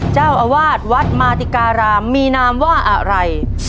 เจ้าอาวาสวัดมาติการามมีนามว่าอะไร